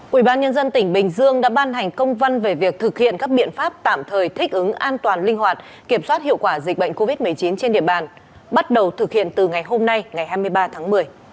ubnd tỉnh bình dương đã ban hành công văn về việc thực hiện các biện pháp tạm thời thích ứng an toàn linh hoạt kiểm soát hiệu quả dịch bệnh covid một mươi chín trên địa bàn bắt đầu thực hiện từ ngày hôm nay ngày hai mươi ba tháng một mươi